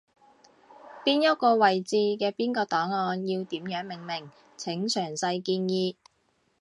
邊一個位置嘅邊個檔案要點樣命名，請詳細建議